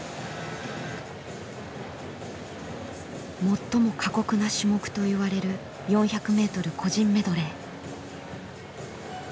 最も過酷な種目といわれる４００ｍ個人メドレー。